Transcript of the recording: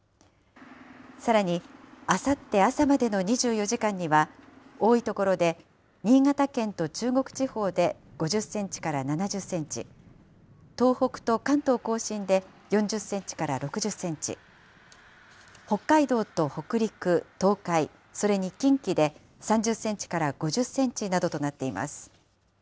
さらに、あさって朝までの２４時間には、多い所で、新潟県と中国地方で５０センチから７０センチ、東北と関東甲信で４０センチから６０センチ、北海道と北陸、東海、それに近畿で３０センチから５０センチなどとなっています。